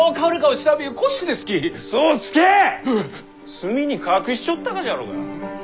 隅に隠しちょったがじゃろうが。